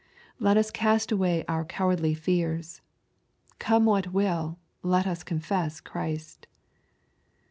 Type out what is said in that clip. Let us cast away our cowardly fears. Come what will, let us confess Christ.